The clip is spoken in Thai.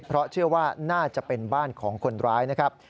เพราะเชื่อว่าน่าจะเป็นบ้านของคนร้ายนะครับ